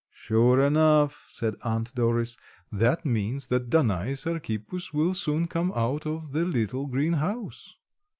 "Sure, enough," said Aunt Doris. "That means that Danais Archippus will soon come out of the little green house."